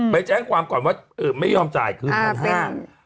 ไปแจ้งความก่อนว่าไม่ยอมจ่ายคืนพันห้า